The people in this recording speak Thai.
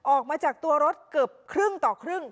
ออกมาจากตัวรถเกือบครึ่งต่อครึ่ง